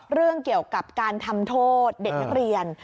เรื่องเกี่ยวกับการทำโทษเด็กนักเรียน